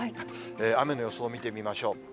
雨の予想を見てみましょう。